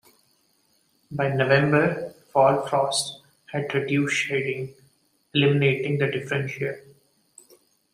By November, fall frosts had reduced shading, eliminating the differential.